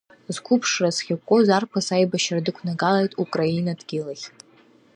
Зқәыԥшра зхьыкәкәоз арԥыс аибашьра дықәнагалеит аукраина дгьыл ахь.